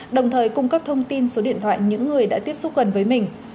đồng thời cung cấp thông tin số điện thoại những người đã tiếp xúc gần với mình